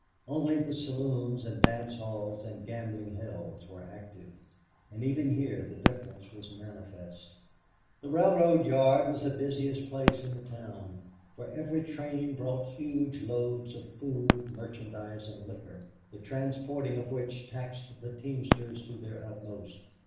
Only the saloons and dance halls and gambling hells were active, and even here the difference was manifest. The railroad yard was the busiest place in the town, for every train brought huge loads of food, merchandise, and liquor, the transporting of which taxed the teamsters to their utmost.